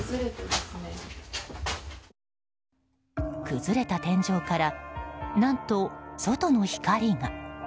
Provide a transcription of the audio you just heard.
崩れた天井から何と、外の光が。